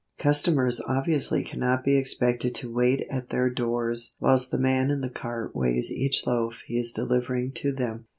Customers obviously cannot be expected to wait at their doors whilst the man in the cart weighs each loaf he is delivering to them.